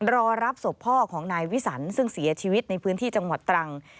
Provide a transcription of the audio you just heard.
รอรับศพพ่อของนายวิสันซึ่งเสียชีวิตในพื้นที่จังหวัดตรัง